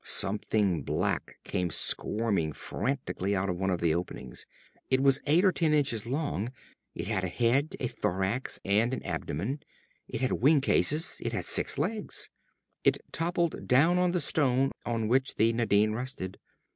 Something black came squirming frantically out of one of the openings. It was eight or ten inches long. It had a head, a thorax, and an abdomen. It had wing cases. It had six legs. It toppled down to the stone on which the Nadine rested.